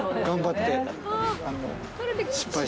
頑張って。